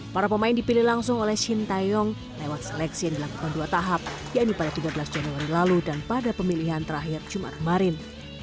para pemain dipilih langsung oleh shin taeyong lewat seleksi yang dilakukan dua tahap yaitu pada tiga belas januari lalu dan pada pemilihan terakhir jumat kemarin